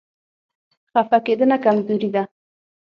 خفه کېدنه کمزوري ده.